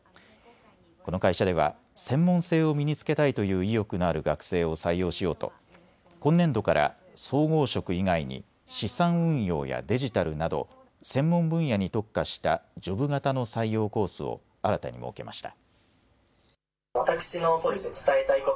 この会社では専門性を身につけたいという意欲のある学生を採用しようと今年度から総合職以外に資産運用やデジタルなど専門分野に特化したジョブ型の採用コースを新たに設けました。